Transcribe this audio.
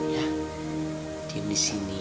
ya diam disini